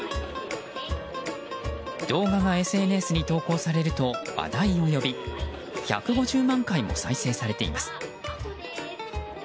動画がＳＮＳに投稿されると話題を呼び１５０万回も再生されています。